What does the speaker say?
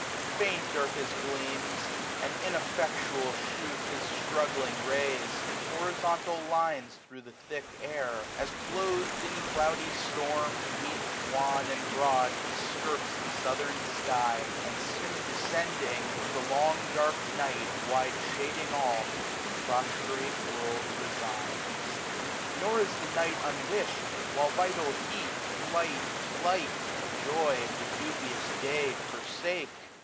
45 Faint are his gleams, and ineffectual shoot His struggling rays, in horizontal lines. Thro' the thick air } as cloth'd in cloudy storm. Weak, wan, and broad, he skirts the southern sky j And, soon descending, to the long dark night, 50 Wide shading all, the prostrate world resigns. Nor is the night unwish'd j while vital heat. Light, life, and joy, the dubious day forsake.